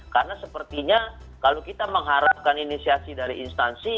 karena sepertinya kalau kita mengharapkan inisiasi dari instansi